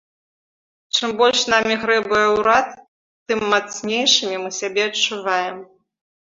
Чым больш намі грэбуе ўрад, тым мацнейшымі мы сябе адчуваем.